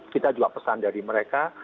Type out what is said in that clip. kita juga pesan dari mereka